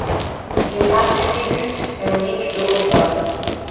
Il marque six buts en Ligue Europa.